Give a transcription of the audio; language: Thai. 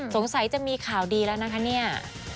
สงสัยจะมีข่าวดีแล้วนะคะเนี่ย